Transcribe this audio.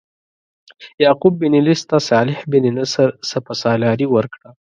یعقوب بن لیث ته صالح بن نصر سپه سالاري ورکړه.